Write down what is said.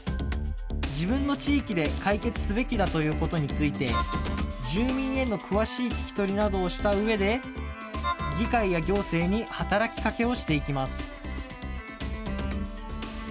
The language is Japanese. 自分の地域で解決すべきだということについて、住民への詳しい聞き取りなどをしたうえで、議会や行政に働きかけをしていきます。